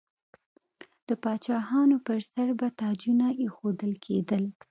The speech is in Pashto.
د پاچاهانو پر سر به تاجونه ایښودل کیدل.